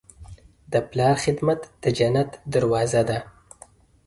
د پلار خدمت د جنت دروازه ده.